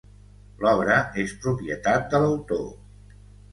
L'obra és propietat de l'autor.